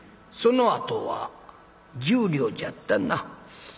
そのあとは１０両じゃったな。